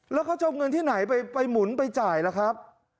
แล้วเขาจะเอาเงินที่ไหนไปหมุนไปจ่ายล่ะครับ